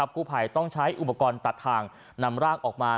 กู้ภัยต้องใช้อุปกรณ์ตัดทางนำร่างออกมา